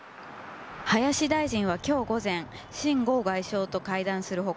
林大臣は今日午前泰剛外相と会談する他